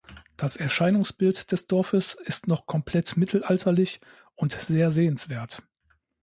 Das Erscheinungsbild des Dorfes ist noch komplett mittelalterlich und sehr sehenswert.